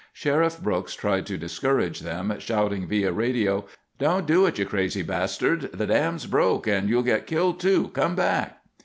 Sheriff Brooks tried to discourage them, shouting via radio—"Don't do it, you crazy bastards, the dam's broke, and you'll get killed too. Come back!"